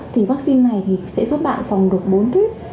thì vaccine này thì sẽ giúp bạn phòng được bốn rip